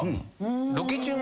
ロケ中も！？